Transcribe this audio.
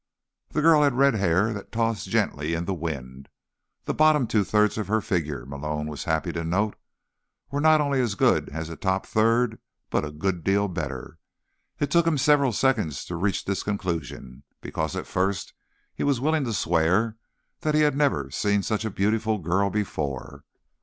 The girl had red hair that tossed gently in the wind. The bottom two thirds of her figure, Malone was happy to note, was not only as good as the top third but a good deal better. It took him several seconds to reach this conclusion, because at first he was willing to swear that he had never seen such a beautiful girl before.